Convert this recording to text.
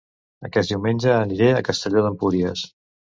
Aquest diumenge aniré a Castelló d'Empúries